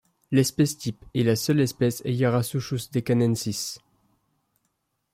L'espèce type et la seule espèce est Yarasuchus deccanensis.